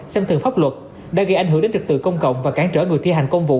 xem thường pháp luật đã gây ảnh hưởng đến trực tự công cộng và cản trở người thi hành công vụ